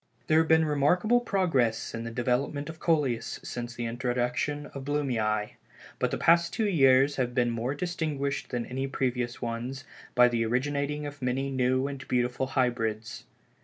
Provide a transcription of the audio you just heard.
There has been a remarkable progress in the development of the Coleus since the introduction of Blumei, but the two past years have been more distinguished than any previous ones by the originating of many new and beautiful hybrids.